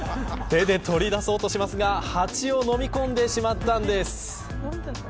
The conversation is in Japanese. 手で取り出そうとしますがハチを飲み込んでしまったんです。